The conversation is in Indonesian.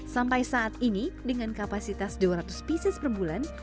sampai saat ini dengan kapasitas dua ratus pieces per bulan